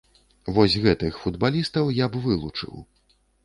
Вось гэтых футбалістаў я б вылучыў.